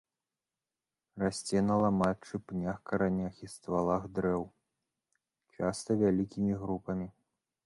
Расце на ламаччы, пнях, каранях і ствалах дрэў, часта вялікімі групамі.